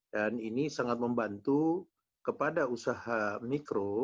dan ini sangat membantu kepada usaha mikro